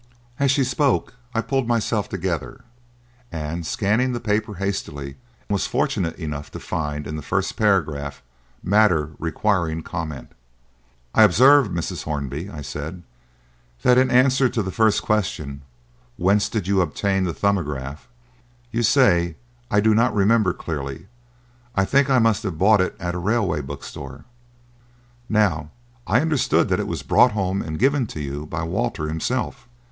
As she spoke, I pulled myself together, and, scanning the paper hastily, was fortunate enough to find in the first paragraph matter requiring comment. "I observe, Mrs. Hornby," I said, "that in answer to the first question, 'Whence did you obtain the "Thumbograph"?' you say, 'I do not remember clearly; I think I must have bought it at a railway bookstall.' Now I understood that it was brought home and given to you by Walter himself."